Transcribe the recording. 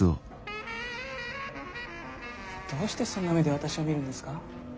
どうしてそんな目で私を見るんですか？